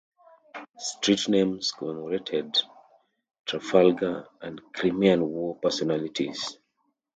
Street names commemorated Trafalgar and Crimean War personalities.